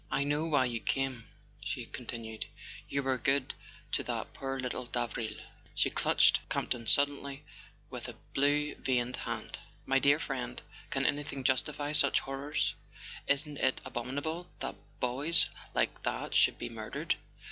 "I know why you came," she continued; "you were good to that poor little Davril." She clutched Campton suddenly with a blue veined hand. "My dear friend, can anything justify such horrors ? Isn't it abominable that boys like that should be murdered?